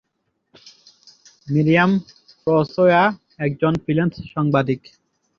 Miriam François একজন freelance সাংবাদিক।